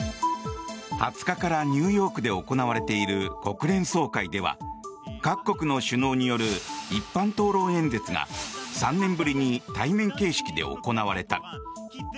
２０日からニューヨークで行われている国連総会では各国の首脳による一般討論演説が３年ぶりに対面形式で行われた。